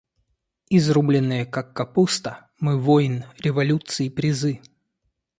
Изрубленные, как капуста, мы войн, революций призы.